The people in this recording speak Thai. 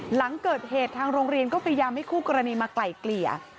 หลังเกิดเหตุทางโรงเรียนก็พยายามให้คู่กรณีมาไกล่เกลี่ย